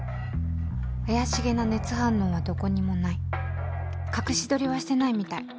「怪しげな熱反応はどこにもない」「隠し撮りはしてないみたい。